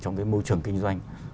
trong cái môi trường kinh doanh